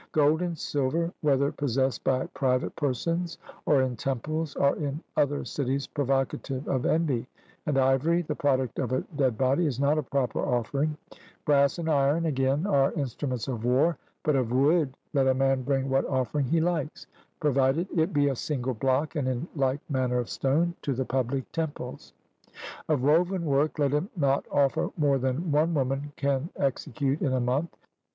Gold and silver, whether possessed by private persons or in temples, are in other cities provocative of envy, and ivory, the product of a dead body, is not a proper offering; brass and iron, again, are instruments of war; but of wood let a man bring what offering he likes, provided it be a single block, and in like manner of stone, to the public temples; of woven work let him not offer more than one woman can execute in a month.